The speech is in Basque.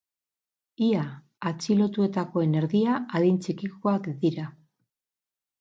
Ia atxilotuetakoen erdia adin txikikoak dira.